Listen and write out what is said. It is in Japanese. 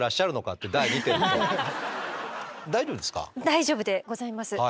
大丈夫でございます。